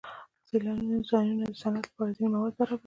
سیلاني ځایونه د صنعت لپاره ځینې مواد برابروي.